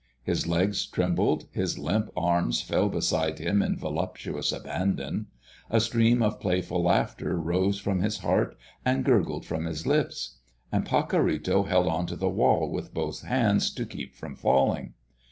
His legs trembled; his limp arms fell beside him in voluptuous abandon. A stream of playful laughter rose from his heart and gurgled from his lips; and Pacorrito held on to the wall with both hands to keep from falling.